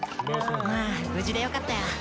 まぁ無事でよかったよ！